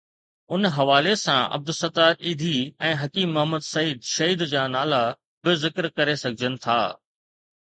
ان حوالي سان عبدالستار ايڌي ۽ حڪيم محمد سعيد شهيد جا نالا به ذڪر ڪري سگهجن ٿا.